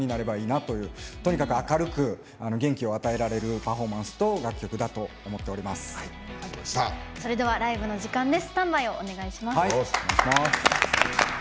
とにかく明るく元気を与えられるパフォーマンスとそれではライブの時間です。